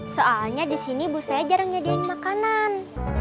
soalnya disini bu saya jarang nyadiin makanan